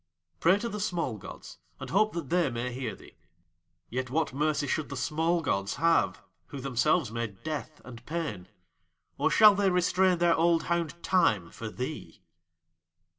"Pray to the small gods and hope that they may hear thee. Yet what mercy should the small gods have, who themselves made Death and Pain; or shall they restrain their old hound Time for thee?